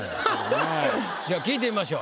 じゃあ聞いてみましょう。